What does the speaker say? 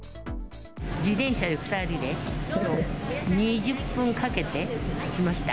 自転車で２人で、２０分かけて来ました。